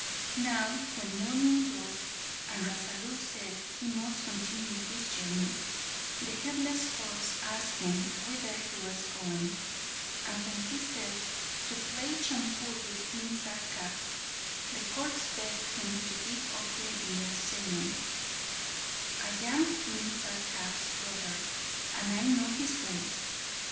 Now when morning broke and Rasalu said he must continue his journey, the headless corpse asked him whither he was going, and when he said "to play chaupur with King Sarkap," the corpse begged him to give up the idea saying, "I am King Sarkap's brother, and I know his ways.